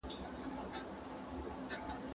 موټر چلونکي د خپل تندي خولې په دستمال پاکې کړې.